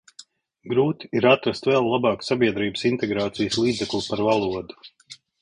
Grūti ir atrast vēl labāku sabiedrības integrācijas līdzekli par valodu.